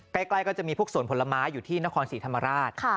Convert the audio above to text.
ใกล้ใกล้ก็จะมีพวกส่วนผลม้าอยู่ที่นครศรีธรรมราชค่ะ